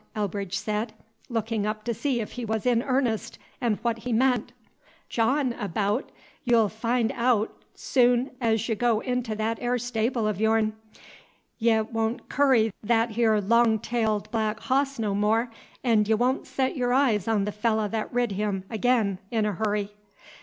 Elbridge said, looking up to see if he was in earnest, and what he meant. "Jawin' abaout? You'll find aout'z soon 'z y' go into that 'ere stable o' yourn! Y' won't curry that 'ere long tailed black hoss no more; 'n' y' won't set y'r eyes on the fellah that rid him, ag'in, in a hurry!"